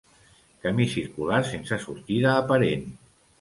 Camí circular sense sortida aparent.